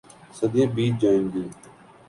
صدیاں بیت جائیں گی۔